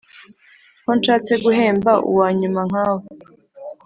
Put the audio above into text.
Ko nshatse guhemba uwa nyuma nkawe